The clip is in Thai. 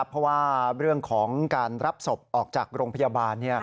เพราะว่าเรื่องของการรับศพออกจากโรงพยาบาล